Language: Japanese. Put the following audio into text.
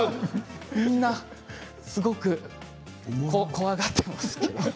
みんなすごく怖がっていますけれど。